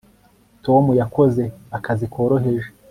tom yakoze akazi koroheje